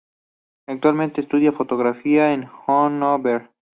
Actualmente estudia fotografía en Hannover.